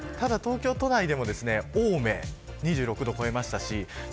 ただ、東京都内でも青梅、２６度を超えました。